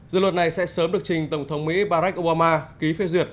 dự luật này sẽ sớm được trình tổng thống mỹ barack obama ký phê duyệt